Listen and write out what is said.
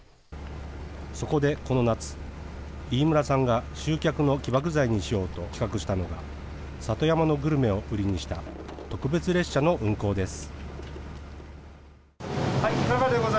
そこでこの夏、飯村さんが集客の起爆剤にしようと企画したのが、里山のグルメを売りにした、特別列車の運行です。